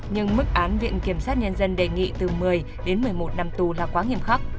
nhưng mức án viện kiểm sát nhân dân đề nghị từ một mươi đến một mươi một năm tù là quá nghiêm khắc